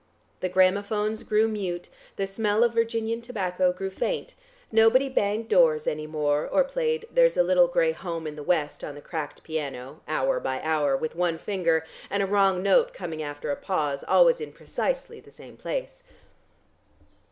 The gramophones grew mute, the smell of Virginian tobacco grew faint, nobody banged doors any more or played "There's a Little Grey Home in the West" on the cracked piano, hour by hour with one finger and a wrong note coming after a pause always in precisely the same place.